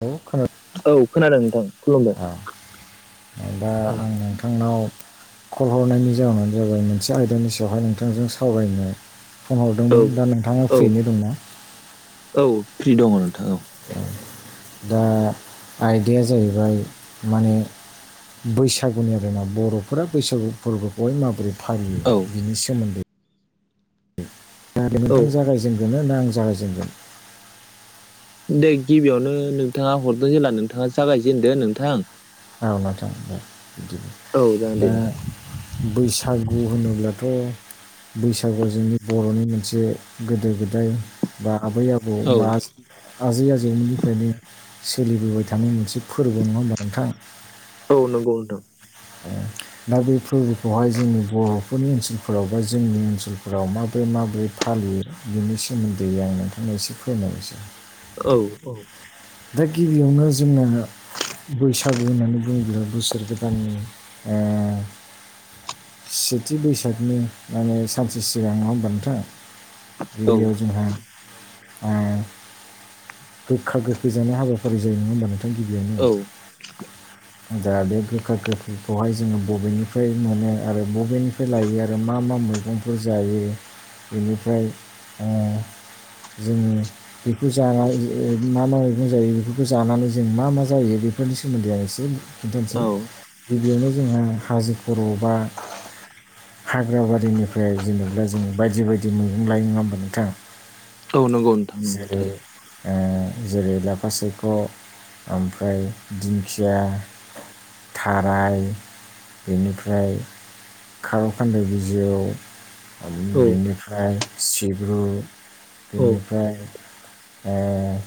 औ खोनादों औ खोनादों नोंथां खुलुमबाय। औ दा औ आं नोंथांनाव कल हरनायनि जाहोनानो जाबाय मोनसे आयदानि सायावहाय नोंथांजों सावरायनो फन औ हरदोंमोन दा नोंथाङा औ फ्रियैनो दंना? औ फ्रि दङ नोंथां औ ओ आयदाया जाहैबाय माने बैसागुनि आरोना बर'फोरा बैसागु फोरबोखौहाय माबोरै फालियो? औ बिनि सोमोन्दै दा औ नोंथां जागायजेनगोना आं जागायजेनगोन? दे गिबियावनो नोंथाङा हरदो जेला नोंथाङा जागायजेनदो नोंथां। औ नोंथां दे औ जागोन दे दा नोंथां बैसागु होनोब्लाथ' बैसागुआ जोंनि बर'नि मोनसे गोदो गोदाय बा आबै आबौ औ बा आजै आजै आजौमोननिफ्रायनो सोलिबोबाय थानाय मोनसे फोरबो नङा होनबा नोंथां? औ नंगौ नोंथां औ [unintelligible] दा बे फोरबोखौहाय जोंनि बर'फोरनि ओनसोलफोराव बा जोंनि ओनसोलफोराव माबोरै माबोरै फालियो? बिनि सोमोन्दै आं नोंथांनो एसे फोरमायनोसै औ औ दा गिबियावनो जोंनो बैसागु होननानै बुङोब्ला बोसोर गोदाननि ओ सेथि बैसागोनि माने सानसे सिगां नङा होनबा नोंथां? औ गिबियाव जोंहा ओ गोखा गोख गोजोननाय हाबाफारि जायो नङा होमबा नोंथां गिबियावनो [inaudible] दा बे गोखा गोखैखौहाय जोङो बबेनिफ्राय मोनो आरो बबेनि बे लायो आरो मा मा मैगंफोर जायो बेनिफ्राय जोङो बेखौ जानाय मा मा [unintelligible] जायो बेफोरखौ जानानै जों मा मा जायो बेफोरनि सोमोन्दै आं एसे औ खिन्थानोसै गिबियावनो जोंहा हाजो खर' बा हाग्रा बारिनिफ्राय जेनेबा जोङो बायदि बायदि मैगं लायो नङा होमबा नोंथां औ नंगौ नोंथां नंगौ जेरै थारैनो ओ जेरै लाफा सायख' ओमफ्राय दिंखिया थाराय बेनिफ्राय खार खानदाय बिजौ औ बेनिफ्राय सिब्रु औ बेनिफ्राय ओ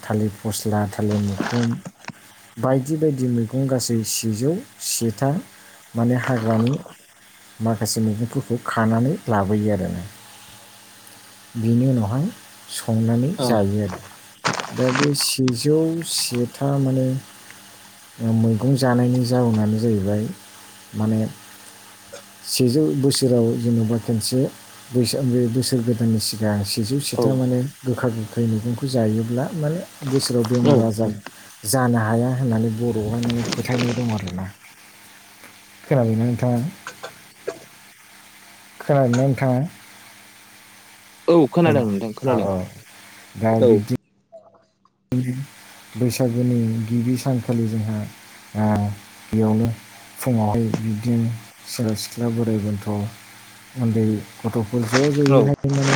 थालिर फस्ला थालिर मुखुन बायदि बायदि मैगं गासै सेजौ सेथा माने हाग्रानि माखासे मैगंफोरखौ खानानै लाबोयो आरो ना बेनि उनावहाय संनानै औ जायो आरो दा बे सेजौ सेथा माने मैगं जानायनि जाउनानो जाहैबाय माने सेजौ बोसोराव जेनेबा खेनसे बोसोर गोदाननि सिगां सेजौ औ सेथा माने गोखा गोखै मैगंखौ जायोब्ला माने बोसोराव औ बेमार आजार जानो हाया होननानै बर'वावहाय माने फोथायनाय दं आरोना खोनाबायना नोंथाङा खोनादोंना नोंथाङा औ हेल' खोनादों नोंथां औ खोनादों औ बैसागुनि गिबि सानखालि जोंहा आ गिबियावनो फुङावहाय बिदिनो सेंग्रा सिख्ला बोराइ बोनथ' उन्दै गथ'फोर ज' औ ज'यैहाय माने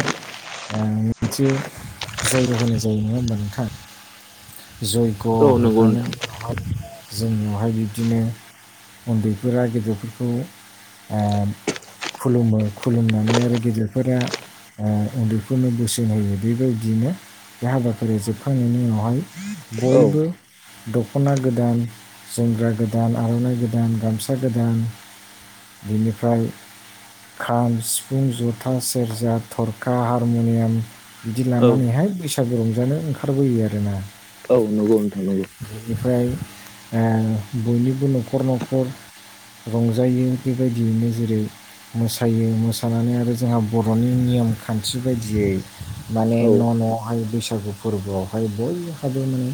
आ मोनसे जयग होनाय जायो नङा होमबा नोंथां जयग' औ नंगौ होखायनायनि नोंथां उनावहाय जोंनावहाय बिदिनो उन्दैफोरा गेदेरफोरखौ आ खुलुमो खुलुमनानै आरो गेदेरफोरा ओ उन्दैफोरनो बोसोन होयो बेबायदिनो बे हाबाफारिया जोबखांनायनि उनावहाय औ बयबो दख'ना गोदान जोमग्रा गोदान आर'नाइ गोदान गामसा गोदान बिनिफ्राय खाम सिफुं जथा सेरजा थरखा हारमुनियाम बिदि औ लानानैहाय बैसागु रंजानो ओंखारबोयो आरोना औ नंगौ नोंथां नंगौ बेनिफ्राय आ बयनिबो नखर नखर रंजायो बेबायदियैनो जेरै मोसायो मोसानानै आरो जोंहा बर'नि नियम खान्थि बायदियै माने औ न' न'वावहाय बैसागु फोरबोआवहाय बयहाबो माने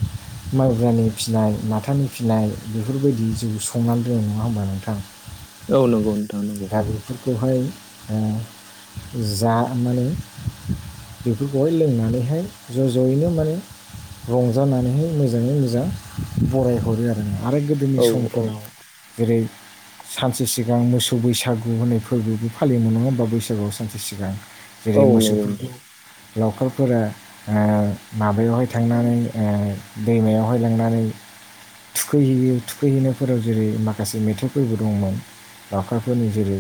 [inaudible] माइब्रानि फिसिनाय माथानि फिसिनाय बेफोरबायदि जौ संनानै दोनो नङा होमबा नोंथां औ नंगौ नोंथां नंगौ दा बेफोरखौहाय ओ जा माने बेफोरखौहाय लोंनानैहाय ज' ज'यैनो माने रंजानानैहाय मोजाङै मोजां बरायहरो आरो आरो गो दोनि औ औ समफोराव जेरै सानसे सिगां मोसौ बैसागु होननाय फोरबोबो फालियोमोन नङा होमबा बैसागुआव सानसे सिगां औ जेरै नंगौ नोंथां मोसौफोरखौ लावखारफोरा ओ माबायावहाय थांनानै ओ दैमायावहाय लांनानै थुखै हैयो थुखैहैनायफोराव जेरै माखासे मेथाइफोरबो दंमोन लावखारफोरनि जेरै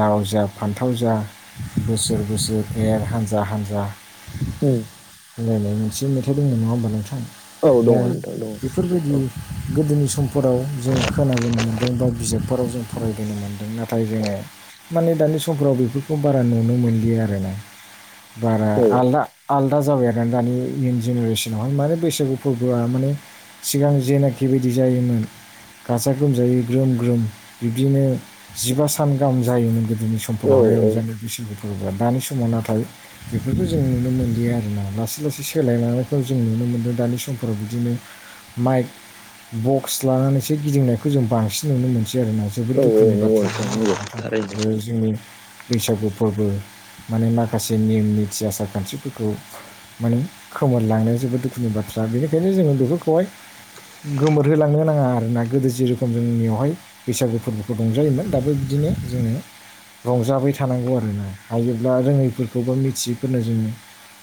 लाव जा फान्थाव जा बोसोर बोसोर एर हानजा हानजा औ मिलायनाय मोनसे मेथाइ दंमोन नङा ओमबा नोंथां औ दा दङ नोंथां दङ बेफोरबायदि औ गोदोनि समफोराव जों खोनानो मोनदों बा बिजाबफोराव जों फरायबोनो मोनदों ना थाय जोङो माने दानि समफ्राव बे बेफोरखौ बारा नुनो मोनलिया आरोना बारा औ आलदा आलादा जाबाय आरो दानि जेनेरेसनावहाय माने बैसागु फोरबोआ माने सिगां जेनाखि बायदि जायोमोन गाजा गोमजायै ग्रोम ग्रोम बिब्दिनो जिबा सान गाहाम जायोमोन गोदोनि सम औ समफोरावहाय औ रंजादों इसोरफोरखौ दानि समाव नाथाय बेफोरखौ जों नुनो मोनलिया आरोना लासै लासै सोलायना लांनायखौ जों नुनो मोनदों दानि समफोराव बिदिनो माइक बक्स लानानैसो गिदिंनायखौ जों बांसिन नुनो मोनसै आरोना जोबोद औ औ दुखुनि नंगौ बाथ्रा नोंथां नङा ओमबा नंगौ नोंथां थारैनो ओ जोंनि बैसागु फोरबो माने माखासे निम निथि आसार खान्थिफोरखौ माने खोमोरलांनाया जोबोद दुखुनि बाथ्रा बेनिखायनो जोङो बेफोरखौहाय गोमोरहोलांनो नाङा आरोना गोदो जेरै रोखोम जोंनियावहाय बैसागो फोरबोखौ रंजायोमोन दा बिदिनो जोङो रंजाबाय थानांगौ आरोना हायोब्ला रोङैफोरखौ बा मिथियैफोरनो जोङो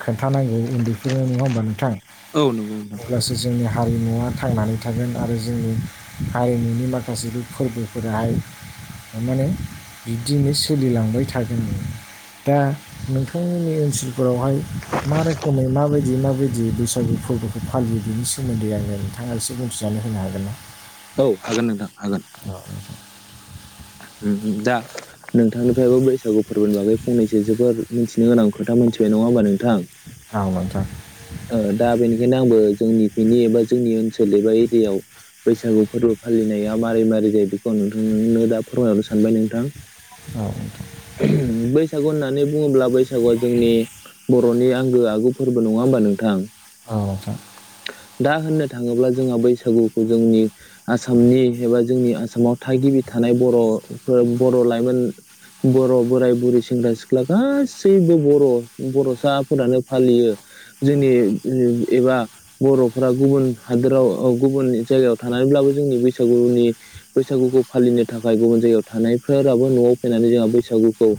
खोन्थानांगौ उन्दै फोरनो नङा ओमबा नोंथां औ नंगौ नोंथां अब्लासो जोंनि हारिमुवा थांनानै थागोन आरो जोंनि हारिमुनि माखासे फोरबोफोराहाय माने बिब्दिनो सोलिलांबाय थागोन दा नोंथांमोननि ओनसोलफोरावहाय मा रोखोमै माबाय दि माबायदि बैसागु फोरबोखौ फालियो बिनि सोमोन्दै आङो नोंथाङा एसे बुंथिना होनो हागोन ना औ हागोन नोंथां हागोन औ नोंथां उम उम दा नोंथांनिफ्रायबो बैसागु फोरबोनि बागै फंनैसो जोबोद मोनथिनो गोनां खोथा मिथिबाय नङा होमबा नोंथां औ नोंथां दा बेनिखायनो आंबो जोंनिखिनि एबा जोंनि ओनसोल एबा एरियाव बैसागु फोरबो फालिनाया मारै माबोरै जायो बेखौ आं नोंथांनो दा फोरमायहरनो सानबाय नोंथां औ बैसागु होननानै बुङोब्ला बैसागुआ जोंनि बर'नि आंगो आगु फोरबो नङा होमबा नोंथां औ दा होननो थाङोब्ला जोंहा बैसागुखौ जोंनि आसामनि एबा जोंनि आसामाव थागिबि थानाय बर'फोर बर' लाइमोन बर' बोराय बुरै सेंग्रा सिख्ला गासैबो बर' बर'साफोरानो फालियो जोंनि एबा बर'फोरा गुबुन हादोराव गुबुन जायगायाव थानानैब्लाबो जोंनि बैसागुनि बैसागुखौ फालिनो थाखाय गुबुन जायगायाव थानायफोराबो न'आव फैनानै जोंहा बैसागुखौ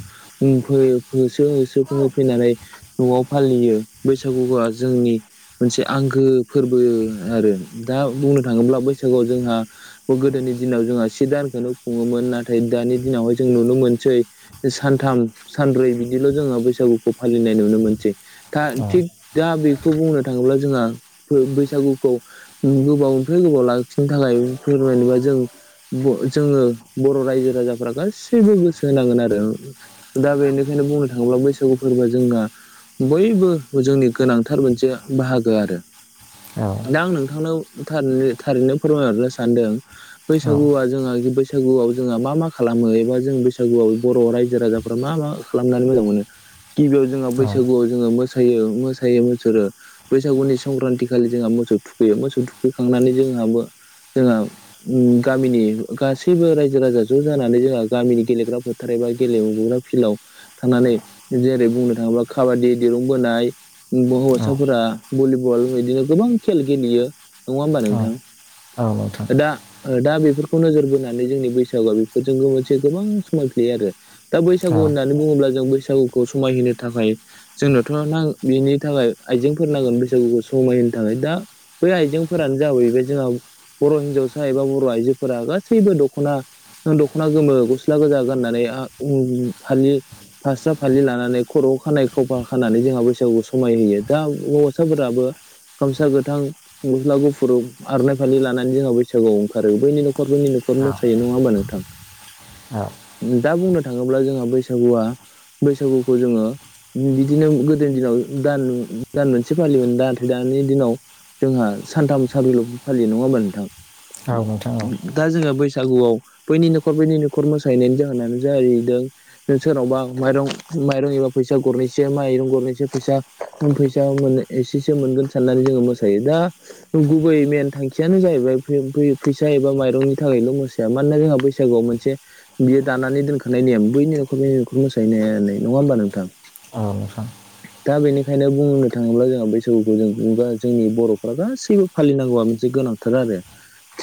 उम फै फैयो होसो होसो होफैनानै न'वाव फालियो बैसागुआ जोंनि मोनसे आं मागो फोरबो आरो दा बुंनो थाङोब्ला बैसागोआव जोंहा गोदोनि दिनाव जोंहा से दानखोनो खुङोमोन नाथाय दानि दिनावहाय जों नुनो मोनसै सानथाम सानब्रै बिदिल' जोङो बैसागुखौ फालिनाय नुनो मोनसै। दा औ थिग दा बेखौ बुंनो थाङोब्ला जोंहा बैसागुखौ गोबावनिफ्राय गोबाव लाखिनो थाखाय फोरमायनोबा जों ब जोङो बर' रायजो राजाफ्रा गासैबो गोसो होनांगोन आरो। दा बेनिखायनो बुंनो थाङोब्ला बैसागु फोरबोआ जोंना बयबो जोंनि गोनांथार मोनसे बाहागो आरो। नोंथां औ दा आं नोंथांनाव थारैनो थारैनो फोरमायहरनो सानदों औ बैसागुआ जोंहा बैसागुआव जोंहा मा मा खालामो एबा जों बैसागुआव बर' रायजो राजाफ्रा मा मा खालामनानै मोजां मोनो। गिबियाव जोंहा बैसागुआव जोङो मोसायो मोसायो मुसोरो बैसागुनि सि संक्रान्ति खालि जोंहा मोसौ थुखैयो मोसौ थुखैखांनानै जोंहाबो जोंहा औ गामिनि गासैबो रायजो-राजा ज' जानानै जोंहा गामिनि गेलेग्रा फोथा थारबा गेलेग्रा फिल्डआव थांनानै जेरै बुंनो थाङोब्ला काबादि दिरुं बोनाय हौवासाफोरा भलिबल बिदिनो गोबां खेल गेलेयो नङा होमबा औ नोंथां ओ दा औ ओ दा बेफोरखौ नोजोर बोनानै जोंनि बैसागुआ बेफोरजोंबो मोनसे गोबां समायफ्लेयो आरो। दा बैसागु होननानै बुङोब्ला जों बैसागुखौ समायहोनो थाखाय जोंनोथ' नां बिनि थाखाय आइजेंफोर नांगोन बे समायहो थाखाय दा बै आइजेंफोरानो जाबाय जोंहा बर' हिन्जावसा एबा बर' आइजोफोरा गासैबो दख'ना थां दख'ना गोमो गस्ला गोजा गाननानै आ उम फालि फास्रा फालि लानानै खर'आव खानाय खफा खानानै जोंहा बैसागुखौ समाय होयो दा अ होवासाफोराबो गामसा गोथां गस्ला गुफुर आरनाय फालि लानानै जोंहा बैसागुआव ओंखारो बैनि नखर बैनि न'खर मोसायो नङा होमबा नोंथां। दा बुंनो थाङोब्ला जोंहा बैसागुआ बैसागुखौ जोङो बिदिनो गोदोनि दिनाव दान दान मोनसे एसे फालियोमोन नाथाय दानि दिनाव जोंहा सानथाम साब्रैल' फालियो नङामोन नोंथां औ नोंथां औ दा जोङो बैसागुआव बैनि नखर बैनि न'खर मोसाहैनायनि जाहोनानो जाहैदों ओ सोरनावबा माइरं माइरं एबा फैसा गरनैसै माइरं गरनैसै फैसा फैसा मोनो एसेसो मोनगोन साननानै जोङो मोसायो दा गुबै मेन थांखियानो जाहैबाय फै-फैसा एबा माइरंनि थाखायल' मोसानाय मानोना जोंहा बैसागुआव मोनसे बियो दानानै दोनखानाय नेम बैनि न'खरनि न'खर मोसाहैनाया नङा होमबा नोंथां। औ नोंथां। दा बेनिखायनो बुंनो थाङोब्ला जोंहा बैसागुखौ जों बा जोंनि बर'फ्रा गासैबो फालिनांगौआ मोनसे गोनांथार आरो।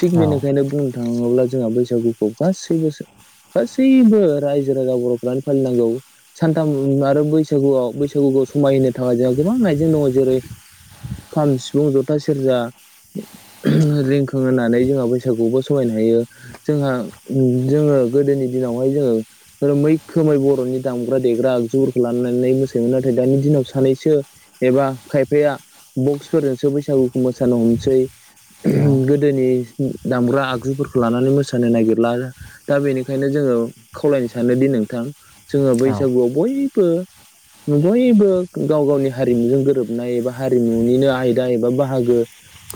थिग बेनिखायनो बुंनो थाङोब्ला जोंहा बैसागुखौ गासैबो गासैबो रायजो राजा बर'फ्रानो फालिनांगौ सानथाम आरो बैसागुआव बैसागुखौ समायहो थाखाय जोंहा गोबां आइजें दङ' जेरै खाम, सिफुं, जथा, सेरजा रिंखांहोनानै जोंहा बैसागुखौ समायहोनो हायो। जोंहा उम जोङो गोदोनि दिनावहाय जोङो मैखोमै बर'नि दामग्रा देग्रा आगजुफोरखौ लानानै मोसायोमोन नाथाय दानि दिनाव सानैसो एबा खायफाया बक्सफोरजोंसो बैसागुखौ मोसानो हमसै गोदोनि दामग्रा आगजुफोरखो लानानै मोसानो नागिरला दा बेनिखायनो जोङो खावलायनो सानोदि नोंथां जोङो औ बैसागुआव बयबो बयबो गाव गावनि हारिमुजों गोरोबनाय एबा हारिमुनिनो आयदा एबा बाहागो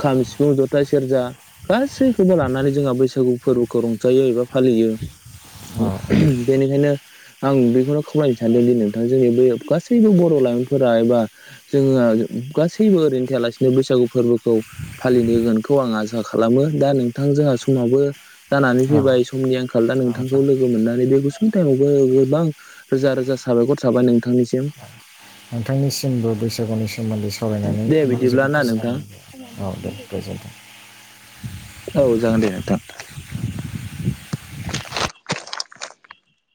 खाम, सिफुं, जथा, सेरजा गासैखौबो लानानै जोंहा बैसागु फोरबोखौ रंजायो एबा फालियो। औ बेनिखायनो आं बेखौनो खावलायनो सानदों दि नोंथां जोंनि बै गा- सैबो बर' लाइमोनफोरा एबा जोङो गासैबो ओरैनो थायालासिनो बैसागु फोरबोखौ फालिनो होगोनखौ आं आसा खालामो दा नोंथां जोंहा समाबो जानानै औ औ फैबाय समनि आंखाल दा नोंथांखौ नोंथां लोगो मोननानै बे गुसुं टाइमावबो गोबां रोजा रोजा साबायखर थाबाय नोंथांनिसिम। नोंथांनिसिमबो बैसागुनि सोमोन्दै सावरायनानै दे माने बिदिब्ला जोबोद ना गोजोननाय नोंथां मोनदों औ दे गोजोनथों। औ जागोन दे नोंथां। [inaudible]